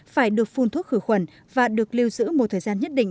phải được phun thuốc khử khuẩn và được lưu giữ một thời gian nhất định